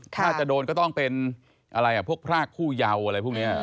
ถ้าจะโดนก็ต้องเป็นอะไรพวกพรากผู้เยาว์อะไรพวกนี้